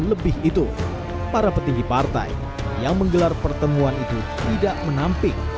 begitu para petinggi partai yang menggelar pertemuan itu tidak menamping